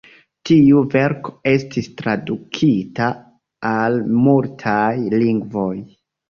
Tiu verko estis tradukita al multaj lingvoj.